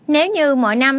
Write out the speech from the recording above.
nếu như mọi năm